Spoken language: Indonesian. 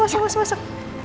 masuk masuk masuk